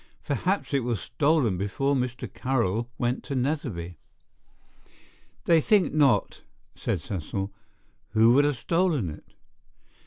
"Perhaps it was stolen before Mr. Carroll went to Netherby." "They think not," said Cecil. "Who would have stolen it?"